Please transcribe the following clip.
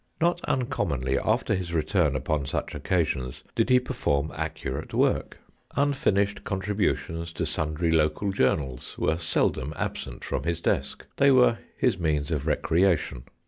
Not uncommonly after his return upon such occasions did he perform accurate work. Unfinished contributions to sundry local 112 THE EOCKEKT. journals were seldom absent from his desk. They were his means of recreation.